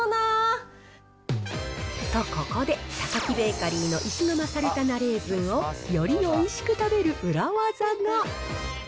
と、ここで、タカキベーカリーの石窯サルタナレーズンをよりおいしく食べる裏技が。